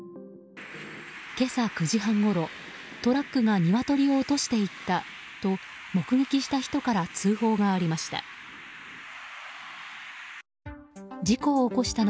今朝９時半ごろ、トラックがニワトリを落としていったと目撃した人から通報がありました。